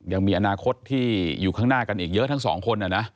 ยังมีอนาคตที่อยู่ข้างหน้ากันอีกเยอะทั้งสองคน